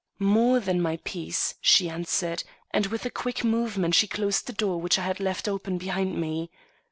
"More than my peace," she answered; and with a quick movement she closed the door which I had left open behind me.